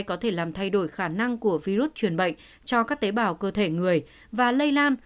b một một năm trăm hai mươi chín có thể làm thay đổi khả năng của virus truyền bệnh cho các tế bào cơ thể người và lây lan